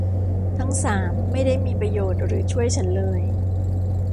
ทั้งสามไม่ได้มีประโยชน์หรือช่วยฉันเลย